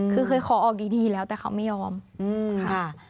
คือเคยขอออกดีแล้วแต่เขาไม่ยอมค่ะ